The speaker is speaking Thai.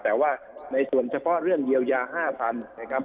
แต่ว่าในส่วนเฉพาะเรื่องเยียวยา๕๐๐๐นะครับ